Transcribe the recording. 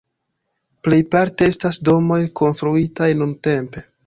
Plej parte estas domoj konstruitaj nuntempe.